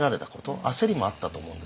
焦りもあったと思うんですけどね。